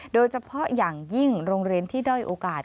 โดยเฉพาะอย่างยิ่งโรงเรียนที่ด้อยโอกาส